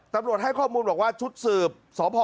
ตำรวจให้ข้อมูลบอกว่าชุดสืบสพ